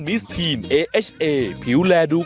เดี๋ยวกลับมา